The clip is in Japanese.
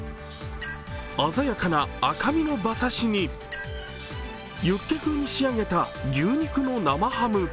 鮮やかな赤身の馬刺しにユッケ風に仕上げた牛肉の生ハム。